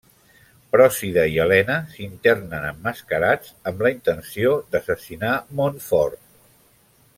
Procida i Elena s'internen emmascarats amb la intenció d'assassinar Montfort.